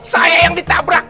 saya yang ditabrak